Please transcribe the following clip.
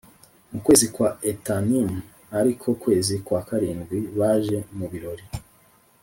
mu kwezi kwa Etanimu ari ko kwezi kwa karindwi, baje mu birori